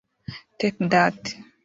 Take That